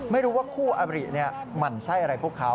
ไม่รู้ว่าคู่อบริหมั่นไส้อะไรพวกเขา